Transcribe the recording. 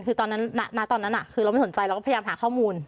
คือตอนนั้นณตอนนั้นคือเราไม่สนใจเราก็พยายามหาข้อมูล